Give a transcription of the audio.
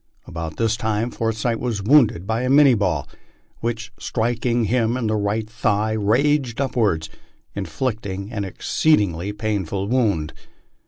About this time Forsyth was wounded by a Minie" ball, which, striking him in the right thigh, ranged upward, inflicting an ex ceedingly painful wound.